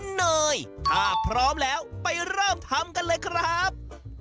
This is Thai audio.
เนยถ้าพร้อมแล้วไปเริ่มทำกันเลยครับ